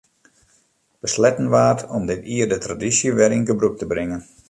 Besletten waard om dit jier de tradysje wer yn gebrûk te bringen.